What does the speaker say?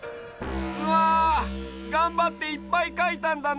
うわがんばっていっぱいかいたんだね。